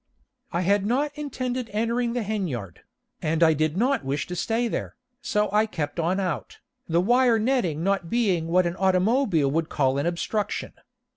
I had not intended entering the hen yard, and I did not wish to stay there, so I kept on out, the wire netting not being what an automobile would call an obstruction.